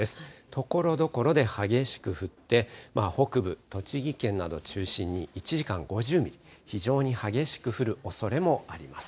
ところどころで激しく降って、北部、栃木県などを中心に１時間５０ミリ、非常に激しく降るおそれもあります。